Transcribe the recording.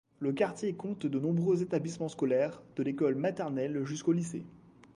Le quartier compte de nombreux établissements scolaires, de l'école maternelle jusqu'aux lycées.